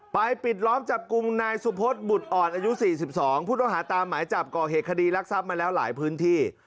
ปิดล้อมจับกลุ่มนายสุพธิ์บุตรอ่อนอายุ๔๒ผู้ต้องหาตามหมายจับก่อเหตุคดีรักทรัพย์มาแล้วหลายพื้นที่